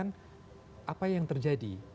nah mengerti tadi